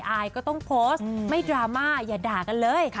อายก็ต้องโพสต์ไม่ดราม่าอย่าด่ากันเลย